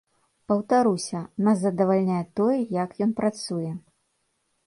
Паўтаруся, нас задавальняе тое, як ён працуе.